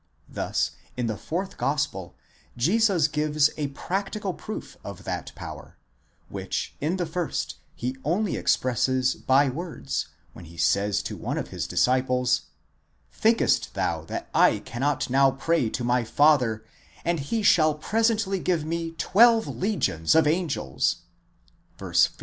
Thus in the fourth gospel Jesus gives a practical proof of that power, which in the first he only ex presses by words, when he says to one of his disciples: Zhinkest thou that I cannot now pray to my Father, and he shail presently give me twelve legions of angels (ν. 53)?